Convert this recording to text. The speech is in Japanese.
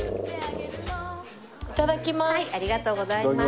いただきます。